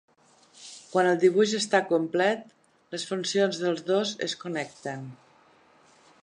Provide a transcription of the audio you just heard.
Quan el dibuix està complet, les funcions dels dos es connecten.